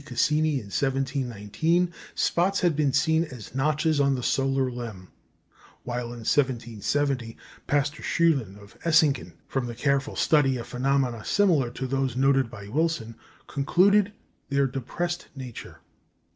Cassini in 1719 spots had been seen as notches on the solar limb; while in 1770 Pastor Schülen of Essingen, from the careful study of phenomena similar to those noted by Wilson, concluded their depressed nature.